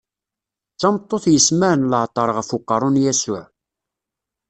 D tameṭṭut yesmaren leɛṭer ɣef uqerru n Yasuɛ.